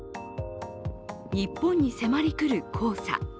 日本に迫り来る黄砂。